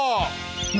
何？